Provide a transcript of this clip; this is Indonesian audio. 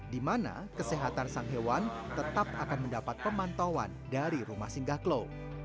di mana kesehatan sang hewan tetap akan mendapat pemantauan dari rumah singgah klau